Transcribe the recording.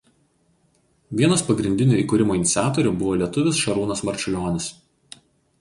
Vienas pagrindinių įkūrimo iniciatorių buvo lietuvis Šarūnas Marčiulionis.